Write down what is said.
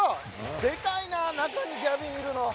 でかいな、中にギャビンがいるの。